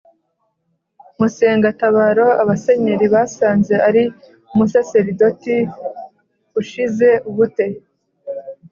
Musengatabaro Abasenyeri basanze ari umusaserdoti ushize ubute